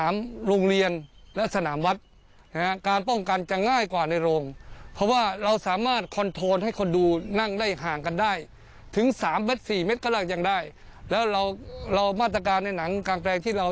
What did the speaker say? เม็ดก็ลากยังได้แล้วเรามาตรการในหนังกางแปลงที่เรา